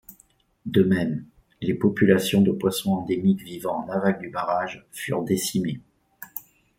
De même, les populations de poissons endémiques vivant en aval du barrage furent décimées.